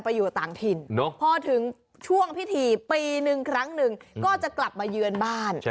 พอถึงช่วงพิธีปีหนึ่งครั้งหนึ่งก็จะกลับมาเยือนบ้าน